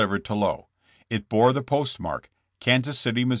151 ered to Lowe: It bore the postmark: Kansas City, Mo.